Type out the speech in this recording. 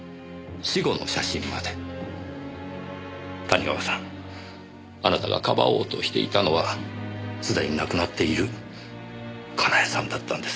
谷川さんあなたがかばおうとしていたのはすでに亡くなっている佳苗さんだったんですね？